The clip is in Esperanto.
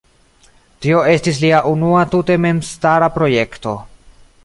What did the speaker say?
Tio estis lia unua tute memstara projekto.